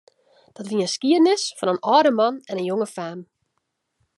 Dat wie in skiednis fan in âlde man en in jonge faam.